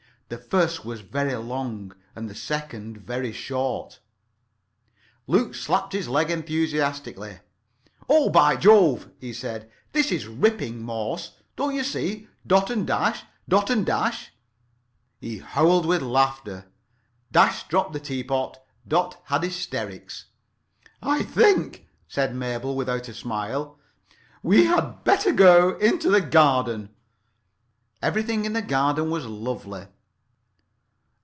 The first was very long, and the second very short. Luke slapped his leg enthusiastically. "Oh, by Jove," he said, "this is ripping. Morse. Don't you see? Dot and Dash. Dot and Dash." He howled with laughter. Dash dropped the tea pot. Dot had hysterics. [Pg 7]"I think," said Mabel, without a smile, "we had better go into the garden." Everything in the garden was lovely.